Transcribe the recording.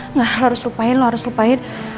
enggak lo harus lupain lo harus lupain